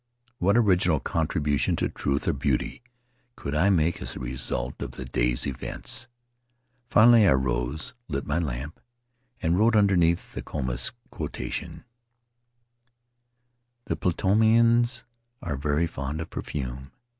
What original contribution to truth or beauty could I make as a result of the day's events? Finally I rose, lit my lamp, and wrote, underneath the Comus quotation : "The Paumotuans are very fond of perfume.